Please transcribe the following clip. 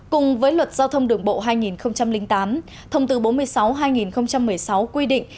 cùng với luật giao thông đường bộ hai nghìn tám thông tư bốn mươi sáu hai nghìn một mươi sáu quy định